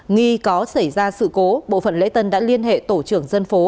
nghi có xảy ra sự cố bộ phận lễ tân đã liên hệ tổ trưởng dân phố